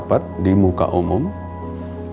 yang disampaikan oleh pemerintah